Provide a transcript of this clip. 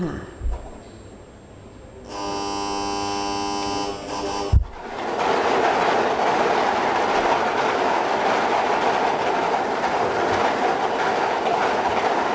หมายเลข๐